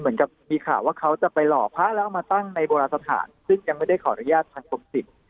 เหมือนกับมีข่าวเขาจะไปหล่อพหารเรามาตั้งในโบราศนาถค่านซึ่งยังไม่ได้ขออนุญาตทางธรรมสิทธิ์